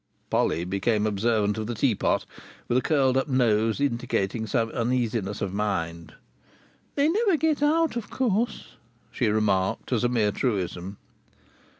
Polly became observant of the teapot, with a curled up nose indicating some uneasiness of mind. "They never get out, of course," she remarked as a mere truism.